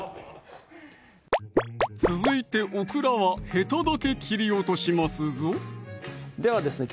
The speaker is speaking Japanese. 続いてオクラはヘタだけ切り落としますぞではですね